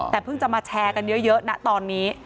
แต่เพิ่งจะมาแชร์กันเยอะนะตอนนี้